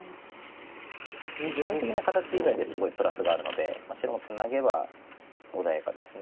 部分的な形以外ですごいプラスがあるので白もツナげば穏やかです。